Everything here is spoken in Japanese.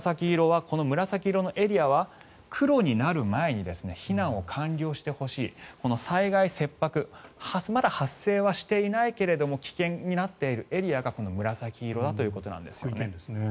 紫色のエリアは黒になる前に避難を完了してほしいこの災害切迫まだ発生はしていないけれども危険になっているエリアがこの紫色だということなんですよね。